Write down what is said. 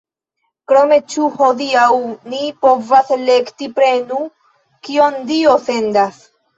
Krome, ĉu hodiaŭ ni povas elekti: prenu, kion Dio sendas!